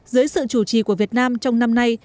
dưới sự chủ trì của việt nam trong năm nay